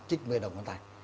trích một mươi đồng con tài